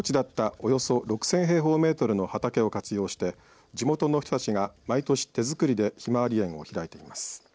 およそ６０００平方メートルの畑を活用して、地元の人たちが毎年手作りでひまわり園を開いています。